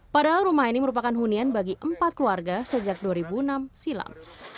padahal rumah ini merupakan hunian bagi empat keluarga sejak dua ribu enam silam